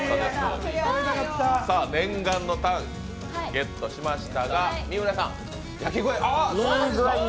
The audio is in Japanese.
念願のタン、ゲットしましたが三浦さん焼き具合は。